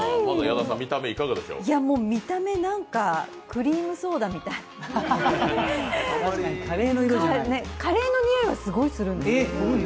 見た目、クリームソーダみたい、カレーのにおいはすごいするんです。